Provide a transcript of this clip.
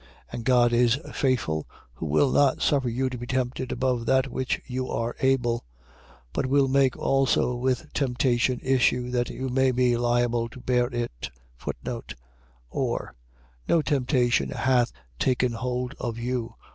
And God is faithful, who will not suffer you to be tempted above that which you are able: but will make also with temptation issue, that you may be able to bear it. Or. . .no temptation hath taken hold of you.